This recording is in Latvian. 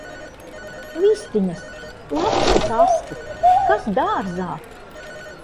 Vistiņas! Lapsas asti! Kas dārzā!